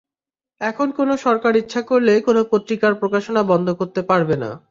এখন কোনো সরকার ইচ্ছা করলেই কোনো পত্রিকার প্রকাশনা বন্ধ করতে পারবে না।